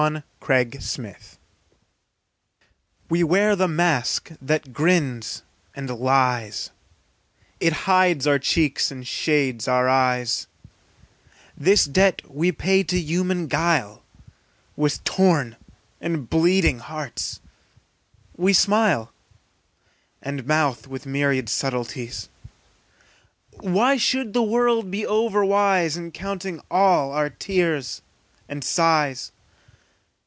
WE WEAR THE MASK We wear the mask that grins and lies, It hides our cheeks and shades our eyes, This debt we pay to human guile; With torn and bleeding hearts we smile, And mouth with myriad subtleties. Why should the world be over wise, In counting all our tears and sighs?